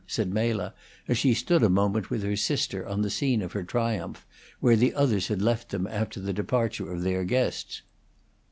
said Mela, as she stood a moment with her sister on the scene of her triumph, where the others had left them after the departure of their guests.